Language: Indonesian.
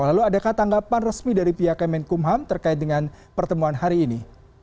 lalu adakah tanggapan resmi dari pihak kementerian hukum dan ham terkait dengan pertemuan hari ini